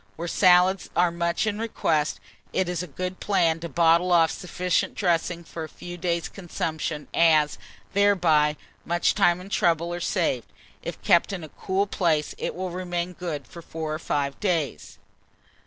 Where salads are much in request, it is a good plan to bottle off sufficient dressing for a few days' consumption, as, thereby, much time and trouble are saved. If kept in a cool place, it will remain good for 4 or 5 days.